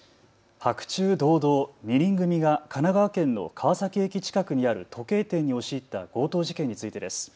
白昼堂々、２人組が神奈川県の川崎駅近くにある時計店に押し入った強盗事件についてです。